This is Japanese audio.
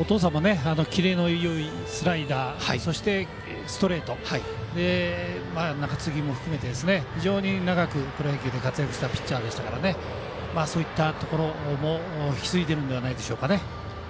お父さんもキレのいいスライダーとストレート中継ぎも含めて、非常に長くプロ野球で活躍したピッチャーでしたからそういうところも引き継いでいると思います。